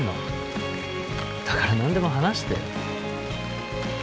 だから何でも話して。